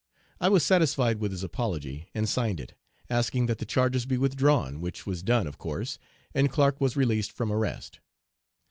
I was satisfied with his apology, and signed it, asking that the charges be withdrawn, which was done, of course, and Clark was released from arrest.